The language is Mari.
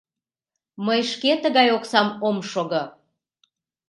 — Мый шке тыгай оксам ом шого!